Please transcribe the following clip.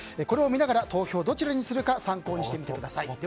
これを見ながら投票をどちらにするか参考にしてみてください。